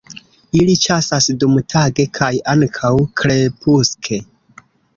Ili ĉasas dumtage kaj ankaŭ krepuske.